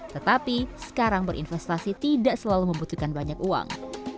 tetapi sekarang berinvestasi tidak selalu membutuhkan banyak uang